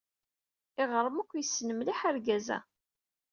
Iɣrem akk yessen mliḥ argaz-a.